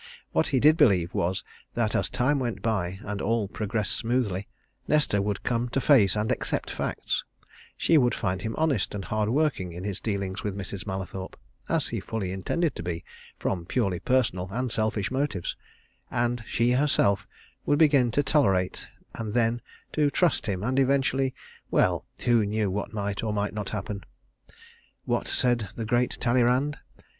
What he did believe was that as time went by, and all progressed smoothly, Nesta would come to face and accept facts: she would find him honest and hardworking in his dealings with Mrs. Mallathorpe (as he fully intended to be, from purely personal and selfish motives) and she herself would begin to tolerate and then to trust him, and eventually well, who knew what might or might not happen? What said the great Talleyrand?